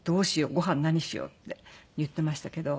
ごはん何にしよう？って言ってましたけど。